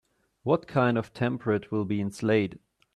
What kind of temperate will be in Slade?